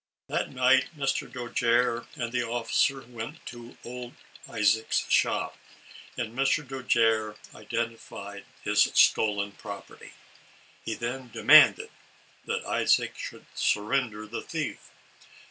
That night Mr. Dojere and the officer went to old Isaac's shop, and Mr. Dojere identified his stolen property. He then demanded that Isaac 'should surrender the thief.